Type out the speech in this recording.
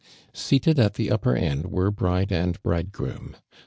Seated at the upper end were bride and bridegroom.